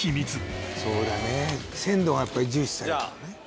「そうだね鮮度がやっぱり重視されてるんだね」